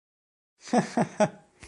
Ah ah ah!